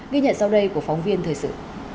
ghi nhận sau đây của phóng viên thời sự